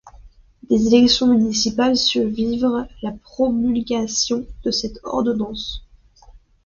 Des élections municipales suivirent la promulgation de cette ordonnance.